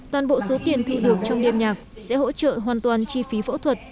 toàn bộ số tiền thu được trong đêm nhạc sẽ hỗ trợ hoàn toàn chi phí phẫu thuật